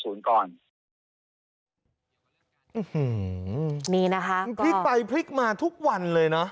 อื้อหือพลิกไปพลิกมาทุกวันเลยนะ